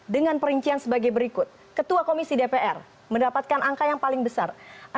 dengan perincian sebagai berikut ketua komisi dpr mendapatkan angka yang paling besar